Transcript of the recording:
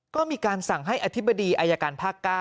ก็มีการสั่งให้อธิบดีอายการภาค๙